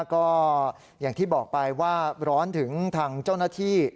ก็อย่างที่บอกไปว่าร้อนถึงทางเจ้าหน้าที่